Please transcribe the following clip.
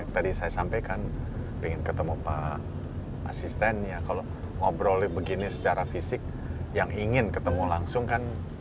tadi saya sampaikan ingin ketemu pak asisten ya kalau ngobrol begini secara fisik yang ingin ketemu langsung kan